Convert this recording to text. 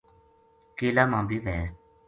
کیلا ما بے وھے